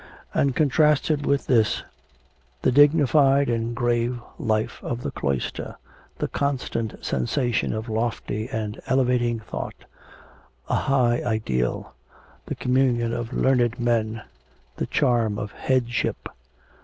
And contrasted with this... The dignified and grave life of the cloister, the constant sensation of lofty and elevating thought, a high ideal, the communion of learned men, the charm of headship.